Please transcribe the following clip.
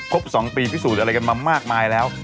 ๒ปีพิสูจน์อะไรกันมามากมายแล้ว